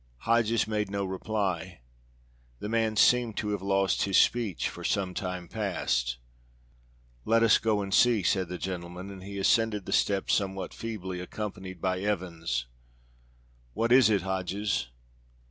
Hodges made no reply. The man seemed to have lost his speech for some time past. "Let us go and see," said the gentleman; and he ascended the steps somewhat feebly, accompanied by Evans. "What is it, Hodges?"